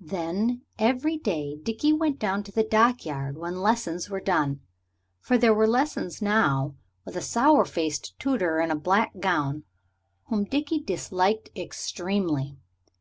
Then every day Dickie went down to the dockyard when lessons were done. For there were lessons now, with a sour faced tutor in a black gown, whom Dickie disliked extremely.